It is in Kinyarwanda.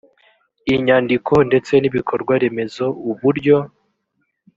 inyandiko ndetse n’ibikorwaremezo uburyo